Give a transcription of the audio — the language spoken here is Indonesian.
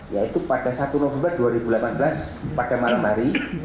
yaitu pada satu november dua ribu delapan belas pada malam hari